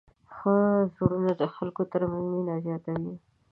ښه زړونه د خلکو تر منځ مینه زیاتوي.